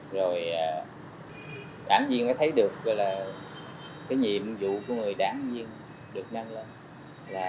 rồi đảng viên mới thấy được là cái nhiệm vụ của người đảng viên được nâng lên